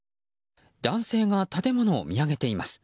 男性が建物を見上げています。